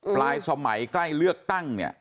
ปลายสมัยใกล้เลือกตั้งเนี่ย